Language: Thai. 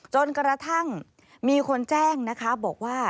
จนกระทั่งมีคนแจ้งนะคะบอกว่า